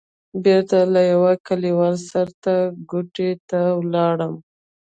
بېرته له يوه کليوال سره کوټې ته ولاړم.